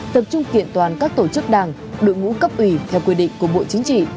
tập trung kiện toàn các tổ chức đảng đội ngũ cấp ủy theo quy định của bộ chính trị